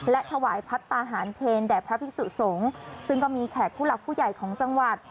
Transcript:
และถวายพัฒนาหารเพลแด่พระภิกษุสงฆ์ซึ่งก็มีแขกผู้หลักผู้ใหญ่ของจังหวัด